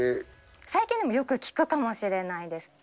最近でもよく聞くかもしれなＡＩ。